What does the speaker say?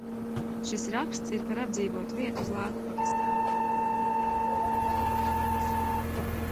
Šis raksts ir par apdzīvotu vietu Zlēku pagastā.